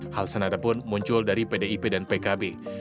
hal senada pun muncul dari pdip dan pkb